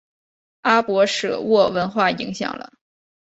阿巴舍沃文化影响了。